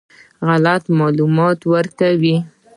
غلط معلومات ورکوي.